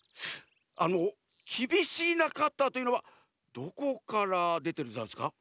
あのきびしいなカッターというのはどこからでてるざんすか？